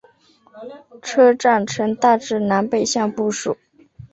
车站呈大致南北向布置。